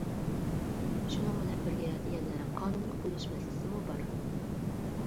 شۇنىڭ بىلەن بىرگە، يەنە قانۇنلۇق بولۇش مەسىلىسىمۇ بار.